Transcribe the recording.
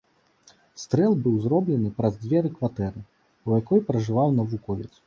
Стрэл быў зроблены праз дзверы кватэры, у якой пражываў навуковец.